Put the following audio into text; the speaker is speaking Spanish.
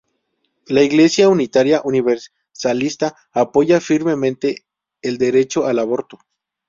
La Iglesia Unitaria Universalista apoya firmemente el derecho al aborto.